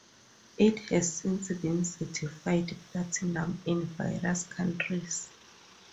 It has since been certified platinum in various countries.